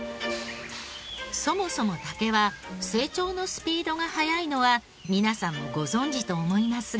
そもそも竹は成長のスピードが早いのは皆さんもご存じと思いますが。